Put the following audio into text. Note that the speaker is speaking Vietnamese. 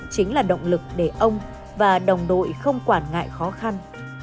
chính là động lực để ông và đồng đội không quản ngại khó khăn